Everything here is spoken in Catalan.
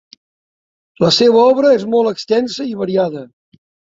La seva obra és molt extensa i variada.